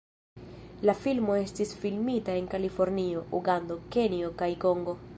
La filmo estis filmita en Kalifornio, Ugando, Kenjo kaj Kongo.